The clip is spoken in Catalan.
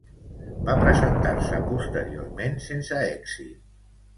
Va presentar-se posteriorment sense èxit.